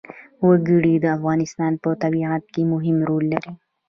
وګړي د افغانستان په طبیعت کې مهم رول لري.